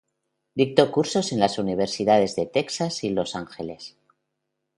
Dictó cursos en las Universidades de Texas y Los Ángeles.